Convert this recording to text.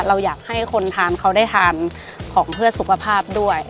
เราอยากให้คนทานเขาได้ทานของเพื่อสุขภาพด้วย